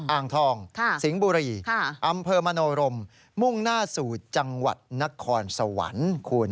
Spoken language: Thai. อ่างทองสิงห์บุรีอำเภอมโนรมมุ่งหน้าสู่จังหวัดนครสวรรค์คุณ